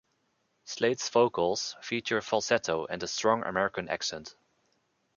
Slade's vocals feature falsetto and a strong American accent.